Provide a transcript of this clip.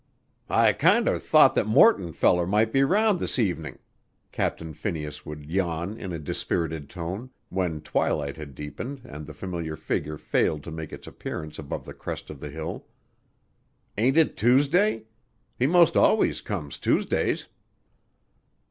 "I kinder thought that Morton feller might be round this evenin'," Captain Phineas would yawn in a dispirited tone, when twilight had deepened and the familiar figure failed to make its appearance above the crest of the hill. "Ain't it Tuesday? He most always comes Tuesdays."